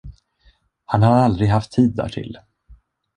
Han hade aldrig haft tid därtill.